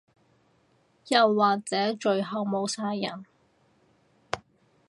又或者最後冇晒人